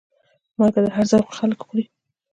مالګه د هر ذوق خلک خوري.